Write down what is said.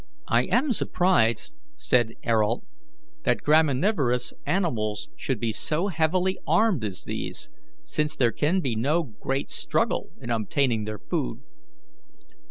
"I am surprised," said Ayrault, "that graminivorous animals should be so heavily armed as these, since there can be no great struggle in obtaining their food."